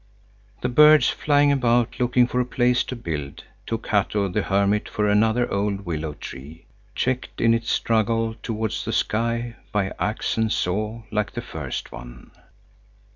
The birds, flying about, looking for a place to build, took Hatto the hermit for another old willow tree, checked in its struggle towards the sky by axe and saw like the first one.